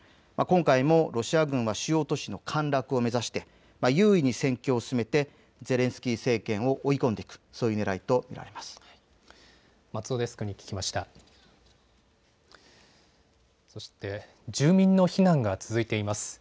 今回もロシア軍は主要都市の陥落を目指して優位に戦況を進めてゼレンスキー政権を追い込んでいく、そういうねらいと見られます。